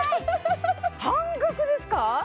半額ですか！？